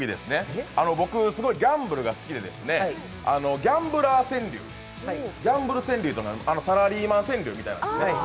僕、すごいギャンブルが好きで、ギャンブル川柳、サラリーマン川柳みたいなのですね。